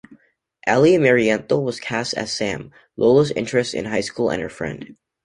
Eli Marienthal was cast as Sam, Lola's interest in high school and her friend.